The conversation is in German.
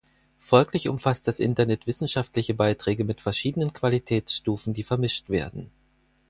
Folglich umfasst das Internet wissenschaftliche Beiträge mit verschiedenen Qualitätsstufen, die vermischt werden.